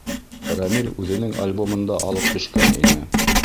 Рәмил үҙенең альбомын да алып төшкән ине.